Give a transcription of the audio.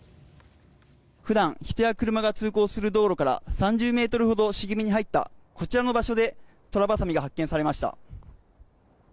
普段人や車が通行する道路から３０ｍほど茂みに入ったこちらの場所でトラバサミが発見されました。